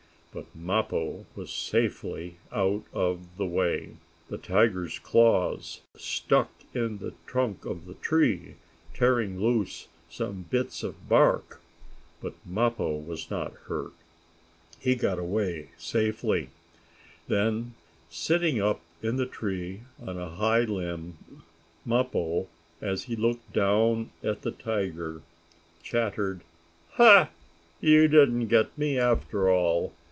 But Mappo was safely out of the way. The tiger's claws stuck in the trunk of the tree, tearing loose some bits of bark, but Mappo was not hurt. He got safely away. Then, sitting up in the tree on a high limb, Mappo, as he looked down at the tiger, chattered: "Ha! You didn't get me after all!